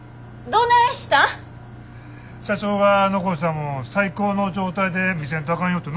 社長が残したもんを最高の状態で見せんとあかんよってな。